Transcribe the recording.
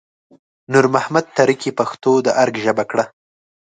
نور محمد تره کي پښتو د ارګ ژبه کړه